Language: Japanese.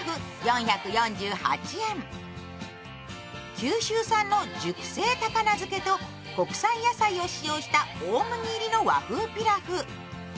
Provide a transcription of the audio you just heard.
九州産の熟成高菜漬けと国産野菜を使用した大麦入りの和風ピラフ。